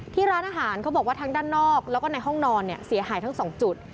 ร้านอาหารเขาบอกว่าทั้งด้านนอกแล้วก็ในห้องนอนเนี่ยเสียหายทั้ง๒จุด